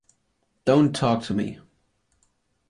Don’t talk to me.